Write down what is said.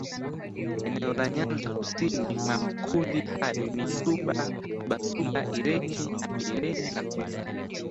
eneo la Nyanza Kusini na mamkundi hayo ni Suba Abasuba Irenyi abirienyi na Kunta